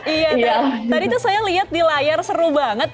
iya tadi tuh saya lihat di layar seru banget